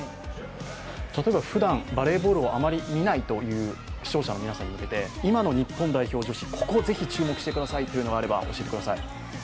例えばふだん、バレーボールをあまり見ないという視聴者の皆さんに向けて今の日本代表女子、ここをぜひ注目してくださいというのがあれば教えてください。